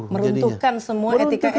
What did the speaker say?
meruntuhkan semua etika etika